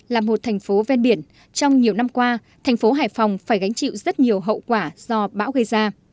là một thành phố ven biển trong nhiều năm qua thành phố hải phòng phải gánh chịu rất nhiều hậu quả do bão gây ra